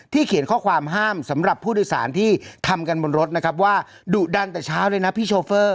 เขียนข้อความห้ามสำหรับผู้โดยสารที่ทำกันบนรถนะครับว่าดุดันแต่เช้าเลยนะพี่โชเฟอร์